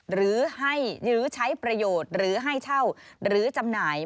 หรือให้หรือใช้ประโยชน์หรือให้เช่าหรือจำหน่าย